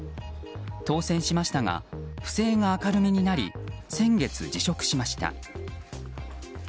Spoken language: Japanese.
当選しましたが不正が明るみになり先月、辞職しました。